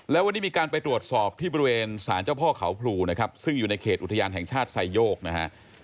แล้ววันนี้มีการไปตรวจสอบที่บริเวณสารเจ้าพ่อเขาพลูนะครับซึ่งอยู่ในเขตอุทยานแห่งชาติไซโยกนะฮะ